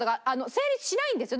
成立しないんですよ。